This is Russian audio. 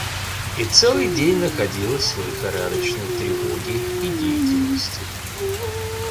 и целый день находилась в лихорадочной тревоге и деятельности.